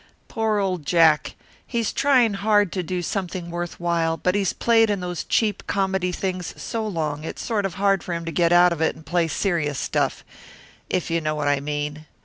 "Poor old Jack. He's trying hard to do something worth while, but he's played in those cheap comedy things so long it's sort of hard for him to get out of it and play serious stuff, if you know what I mean."